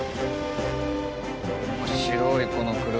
面白いこの車。